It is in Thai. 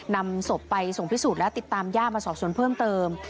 นำศพไปส่งพิสูจน์และติดตามย่ามาสอบสวนเพิ่มเติม